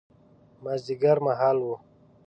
مازیګر مهال و.